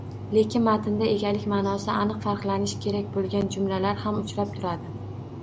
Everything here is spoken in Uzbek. Lekin matnda egalik maʼnosi aniq farqlanishi kerak boʻlgan jumlalar ham uchrab turadi